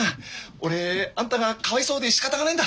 俺あんたがかわいそうでしかたがねえんだ。